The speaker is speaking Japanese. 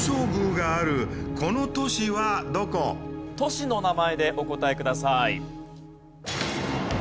都市の名前でお答えください。